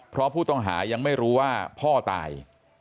เพราะผู้ต้องหายังไม่รู้ว่าพ่อตาย